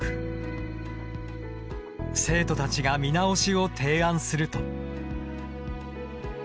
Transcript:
生徒たちが見直しを提案すると。